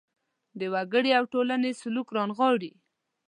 د وګړي او ټولنې سلوک رانغاړي.